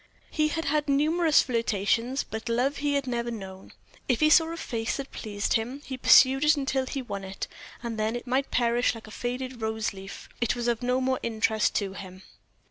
He had had numerous flirtations, but love he had never known. If he saw a face that pleased him, he pursued it until he won it, and then it might perish like a faded rose leaf it was of no more interest to him.